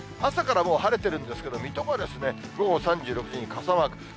朝からもう晴れてるんですけれども、水戸は午後３時、６時に傘マーク。